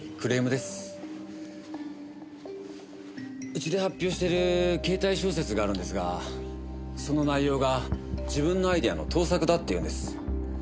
うちで発表してるケータイ小説があるんですがその内容が自分のアイデアの盗作だって言うんです。